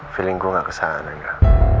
feeling gue gak kesana aja